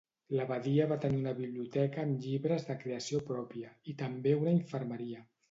L'abadia va tenir una biblioteca amb llibres de creació pròpia i també una infermeria.